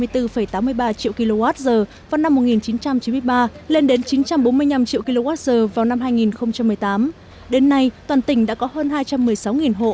triệu kwh vào năm một nghìn chín trăm chín mươi ba lên đến chín trăm bốn mươi năm triệu kwh vào năm hai nghìn một mươi tám đến nay toàn tỉnh đã có hơn hai trăm một mươi sáu hộ